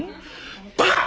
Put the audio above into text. バカ！